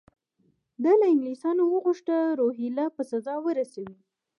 ده له انګلیسیانو وغوښتل روهیله په سزا ورسوي.